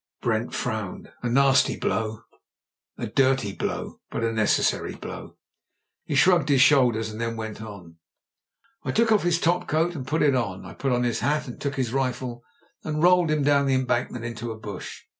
Brent frowned. "A nasty blow, a dirty blow, but a necessary blow." He shrugged his shoulders and then went on. JIM BRENTS V.C 149 I took off his top coat and put it on. I put on his hat and took his rifle and rolled him down the em bankment into a bush.